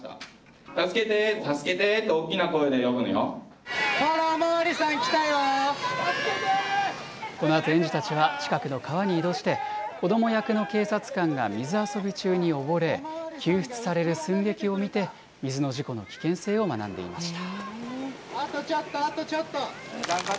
お巡りさん、このあと園児たちは近くの川に移動して、子ども役の警察官が水遊び中に溺れ、救出される寸劇を見て、水の事故の危険性を学んでいました。